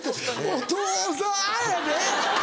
「お父さん」やで。